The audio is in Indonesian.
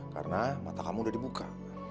karena mata kamu udah dibuka